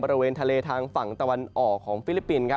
บริเวณทะเลทางฝั่งตะวันออกของฟิลิปปินส์